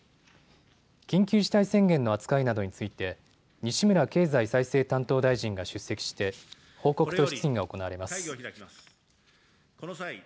緊急事態宣言の扱いなどについて、西村経済再生担当大臣が出席して、報告と質疑が行われます。